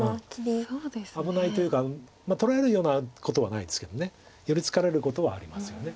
危ないというか取られるようなことはないですけど寄り付かれることはありますよね。